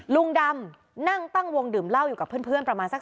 ลุงดำนั่งตั้งวงดื่มเหล้าอยู่กับเพื่อนประมาณสัก